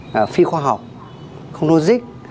là phi khoa học không logic